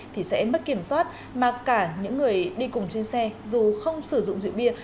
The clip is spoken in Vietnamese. thì sẽ mất kiểm soát mà cả những người đi cùng trên xe dù không sử dụng rượu bia